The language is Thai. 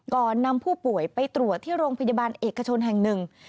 นำผู้ป่วยไปตรวจที่โรงพยาบาลเอกชนแห่งหนึ่ง